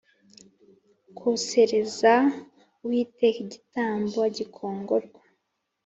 kosereza Uwiteka igitambo gikongorwa